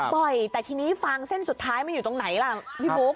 แต่ทีนี้ฟางเส้นสุดท้ายมันอยู่ตรงไหนล่ะพี่บุ๊ค